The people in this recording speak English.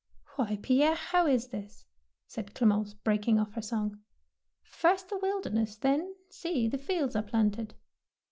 « Why, Pierre, how is this? said Clemence, breaking off her song ;" first the wilderness, then, see, the fields are planted